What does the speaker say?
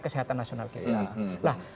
kesehatan nasional kita